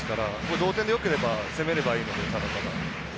同点でよければ攻めればいいので、ただただ。